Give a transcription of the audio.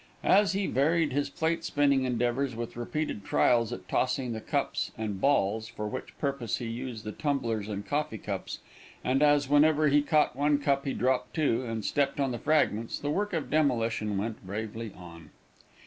As he varied his plate spinning endeavors with repeated trials at tossing the cups and balls, for which purpose he used the tumblers and coffee cups, and as, whenever he caught one cup, he dropped two, and stepped on the fragments, the work of demolition went bravely on.